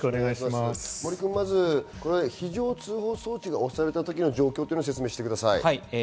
非常通報装置が押された時の状況を説明してください。